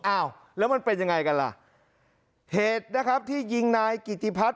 อ้าวแล้วมันเป็นยังไงกันล่ะเหตุนะครับที่ยิงนายกิติพัฒน